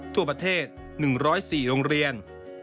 ทั่วประเทศ๑๐๔โรงเรียน